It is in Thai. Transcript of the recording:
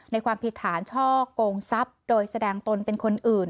ความผิดฐานช่อกงทรัพย์โดยแสดงตนเป็นคนอื่น